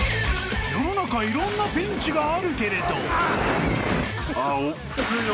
［世の中いろんなピンチがあるけれど］